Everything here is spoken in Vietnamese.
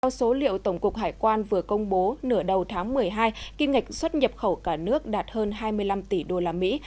theo số liệu tổng cục hải quan vừa công bố nửa đầu tháng một mươi hai kim ngạch xuất nhập khẩu cả nước đạt hơn hai mươi năm tỷ đô la mỹ